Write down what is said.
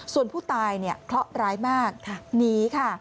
ส่วนผู้ตายเนี่ยเคราะห์ร้ายมากหนีค่ะ